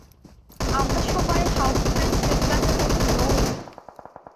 আমরা সবাই হাউপ্টমান সেসলারের মত নই।